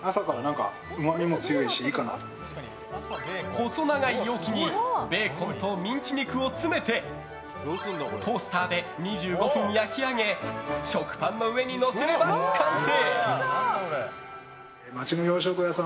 細長い容器にベーコンとミンチ肉を詰めてトースターで２５分焼き上げ食パンの上にのせれば完成！